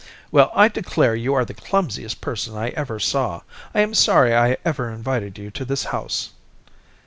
"Well, I declare, you are the clumsiest person I ever saw. I am sorry I ever invited you to this house."